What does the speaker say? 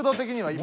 今。